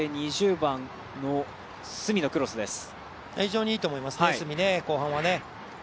非常にいいと思いますね、角、後半はね。